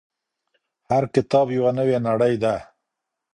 هر کتاب يوه نوې نړۍ ده.